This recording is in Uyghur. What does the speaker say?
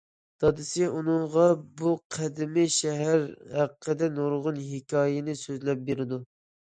دادىسى ئۇنىڭغا بۇ قەدىمىي شەھەر ھەققىدە نۇرغۇن ھېكايىنى سۆزلەپ بېرىدۇ.